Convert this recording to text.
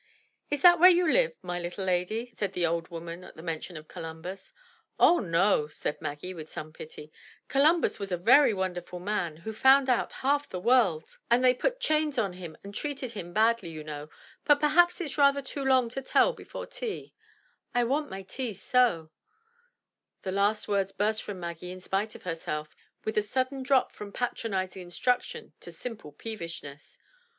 "Is that where you live, my little lady?" said the old woman at the mention of Columbus. "Oh, no!" said Maggie with some pity; "Columbus was a very wonderful man who found out half the world, and they put 243 M Y BOOK HOUSE chains on him and treated him very badly, you know, but per haps it's rather too long to tell before tea —/ want my tea so,'* The last words burst from Maggie in spite of herself, with a sudden drop from patronising instruction to simple peevishness.